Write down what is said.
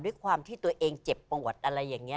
ด้วยความที่ตัวเองเจ็บปวดอะไรอย่างนี้